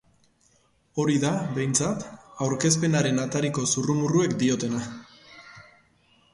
Hori da, behintzat, aurkezpenaren atariko zurrumurruek diotena.